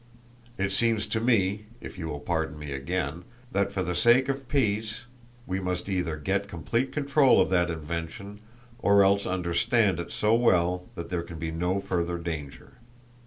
It seems to me, if you will pardon me again, that for the sake of peace we must either get complete control of that invention or else understand it so well that there can be no further danger.